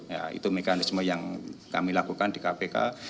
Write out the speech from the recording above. ya itu mekanisme yang kami lakukan di kpk